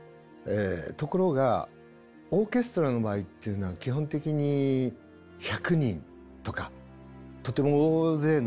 ところがオーケストラの場合っていうのは基本的に１００人とかとても大勢の人数になります。